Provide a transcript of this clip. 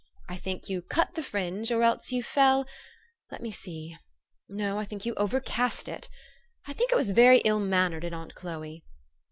I think you cut the fringe, or else you fell let me see. No, I think you overcast it. I think it was very Ul mannered in aunt Chloe."